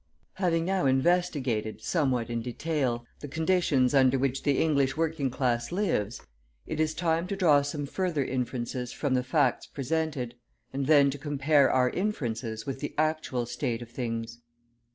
Having now investigated, somewhat in detail, the conditions under which the English working class lives, it is time to draw some further inferences from the facts presented, and then to compare our inferences with the actual state of things.